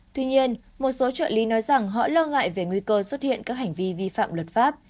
tuy nhiên một số trợ lý nói rằng họ lo ngại về nguy cơ xuất hiện các hành vi vi phạm luật pháp